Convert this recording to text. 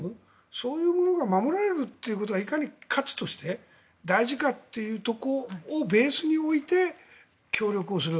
そういうものが守られるっていうことがいかに価値として大事かっていうところをベースに置いて、協力をする。